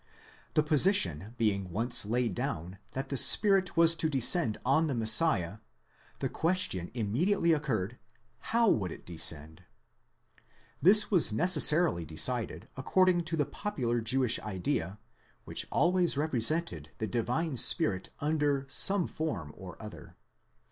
The position being once laid down that the Spirit was to descend on the Messiah, the question immediately occurred : How would it descend? This was necessarily decided according to the popular Jewish idea, which always represented the Divine Spirit under some form or other.